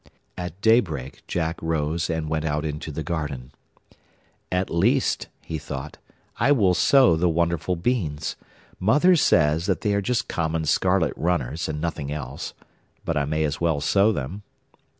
At daybreak Jack rose and went out into the garden. 'At least,' he thought, 'I will sow the wonderful beans. Mother says that they are just common scarlet runners, and nothing else; but I may as well sow them.